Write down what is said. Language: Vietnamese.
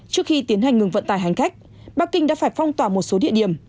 trước khi tiến hành ngừng vận tài hành cách bắc kinh đã phải phong tỏa một số địa điểm